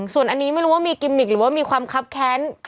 ส่วนอันนี้ไม่รู้ว่ามีกิมมิกหรือว่ามีความคับแค้น